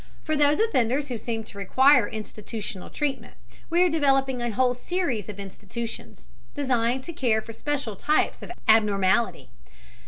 For those offenders who seem to require institutional treatment, we are developing a whole series of institutions, designed to care for special types of abnormality.